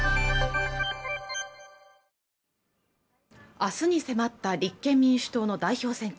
明日に迫った立憲民主党の代表選挙